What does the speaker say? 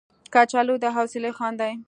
کچالو د حوصلې خوند دی